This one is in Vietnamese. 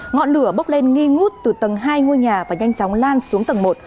ngọn lửa bốc lên nghi ngút từ tầng hai ngôi nhà và nhanh chóng lan xuống tầng một